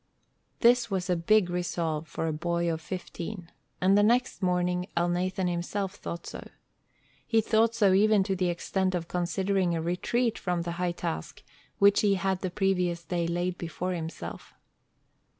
This was a big resolve for a boy of fifteen, and the next morning Elnathan himself thought so. He thought so even to the extent of considering a retreat from the high task which he had the previous day laid before himself.